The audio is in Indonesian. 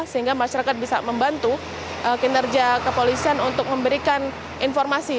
sehingga masyarakat bisa membantu kinerja kepolisian untuk memberikan informasi